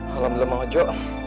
alhamdulillah bang hojo